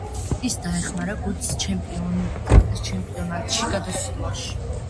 ის დაეხმარა გუნდს ჩემპიონატში გადასვლაში.